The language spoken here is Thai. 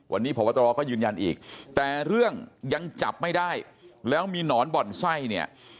วันนี้พบตรก็ยืนยันอีกแต่เรื่องยังจับไม่ได้แล้วมีหนอนบ่อนไส้เนี่ย